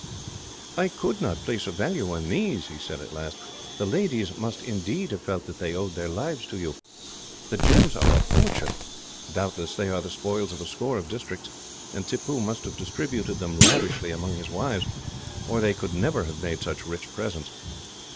"I could not place a value on these," he said at last. "The ladies must, indeed, have felt that they owed their lives to you. The gems are a fortune. Doubtless they are the spoils of a score of districts, and Tippoo must have distributed them lavishly among his wives, or they could never have made such rich presents.